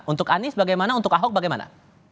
untuk anies bagaimana untuk ahok bagaimana